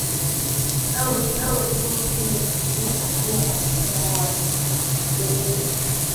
Au juu ya Kile kilichomuliwa na mkutano huo wa Berlini